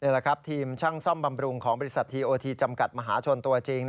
แหละครับทีมช่างซ่อมบำรุงของบริษัททีโอทีจำกัดมหาชนตัวจริง